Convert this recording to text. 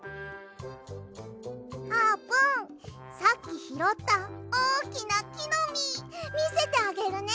あーぷんさっきひろったおおきなきのみみせてあげるね！